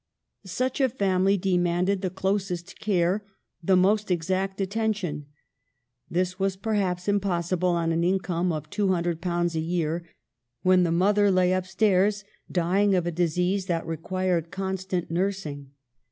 Such a family demanded the closest care, the most exact attention. This was perhaps impos sible on an income of ^200 a year, when the mother lay up stairs dying of a disease that re quired constant nursing.